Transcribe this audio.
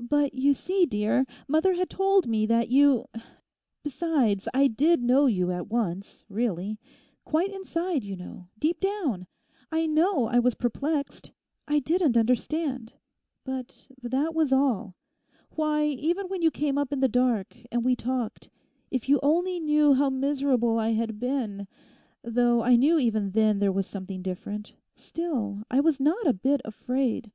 'But you see, dear, mother had told me that you—besides, I did know you at once, really; quite inside, you know, deep down. I know I was perplexed; I didn't understand; but that was all. Why, even when you came up in the dark, and we talked—if you only knew how miserable I had been—though I knew even then there was something different, still I was not a bit afraid.